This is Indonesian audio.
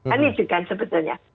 ini juga sebetulnya